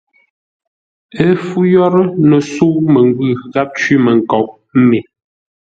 Ə́ fû yə́rə́, no sə̌u məngwʉ̂ gháp cwímənkoʼ me.